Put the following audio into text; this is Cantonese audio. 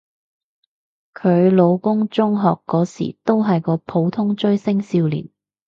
佢老公中學嗰時都係個普通追星少年